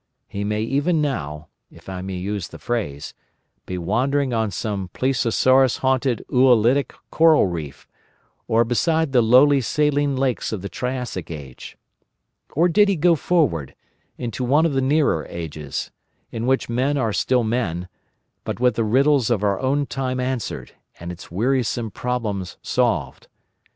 He may even now—if I may use the phrase—be wandering on some plesiosaurus haunted Oolitic coral reef, or beside the lonely saline seas of the Triassic Age. Or did he go forward, into one of the nearer ages, in which men are still men, but with the riddles of our own time answered and its wearisome problems solved?